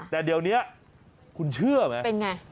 แต่เดี๋ยวนี้คุณเชื่อไหมเป็นไง